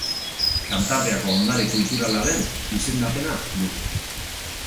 Kantabriako Ondare Kulturalaren izendapena du.